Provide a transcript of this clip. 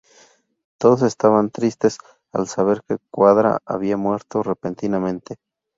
Todos estaban tristes al saber que Quadra había muerto repentinamente.